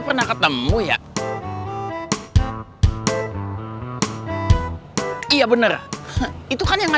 sehat sehat ya sayangnya